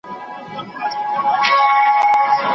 دوی ته بايد د ژوند لومړنۍ اړتياوې برابرې سي.